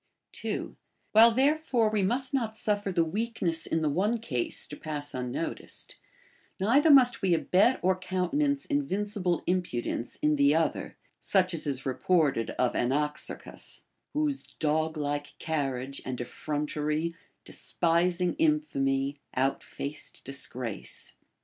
2. AVliile therefore v/e must not suffer the weakness in the one case to pass unnoticed, neither must Ave abet or countenance invincible impudence in the other, such as is reported of Anaxarchus, — Whose dosi like carriage and effrontery, Despising infamy, out faceil disgrace.